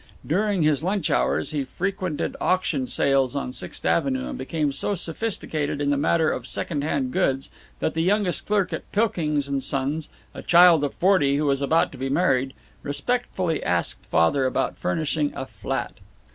During his lunch hours he frequented auction sales on Sixth Avenue, and became so sophisticated in the matter of second hand goods that the youngest clerk at Pilkings & Son's, a child of forty who was about to be married, respectfully asked Father about furnishing a flat.